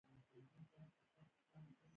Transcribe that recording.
افغانستان د سیلاني ځایونو په برخه کې شهرت لري.